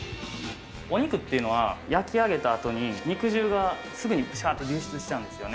お肉っていうのは、焼き上げたあとに、肉汁がすぐにしゃーっと流出しちゃうんですよね。